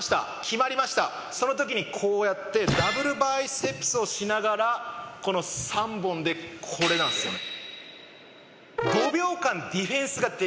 その時にこうやってダブルバイセップスをしながらこの３本でこれなんですよね。